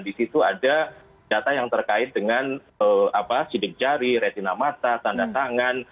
di situ ada data yang terkait dengan sidik jari retina mata tanda tangan